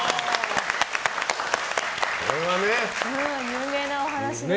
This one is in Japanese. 有名なお話で。